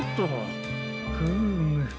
フーム。